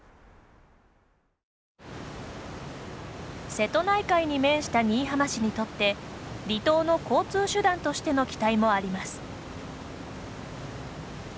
瀬戸内海に面した新居浜市にとって離島の交通手段としての期待もあります。